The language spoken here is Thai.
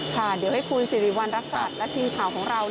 ค่ะเดี๋ยวให้คุณสิริวัณรักษัตริย์และทีมข่าวของเรา